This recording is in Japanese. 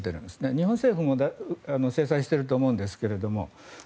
日本政府も制裁していると思うんですが。